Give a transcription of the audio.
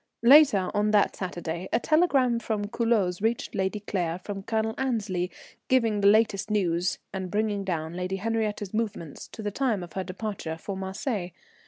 _ _Later on that Saturday a telegram from Culoz reached Lady Claire from Colonel Annesley giving the latest news, and bringing down Lady Henriette's movements to the time of her departure for Marseilles.